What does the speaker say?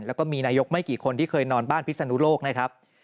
แล้วก็มีนายกไม่กี่คนที่เคยนอนบ้านพิศนุโลกนะครับ